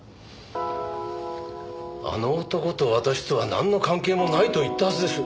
あの男と私とはなんの関係もないと言ったはずです。